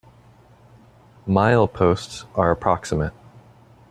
Mileposts are approximate.